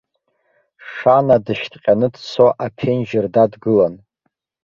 Шана дышьҭҟьаны дцо аԥенџьыр дадгылан.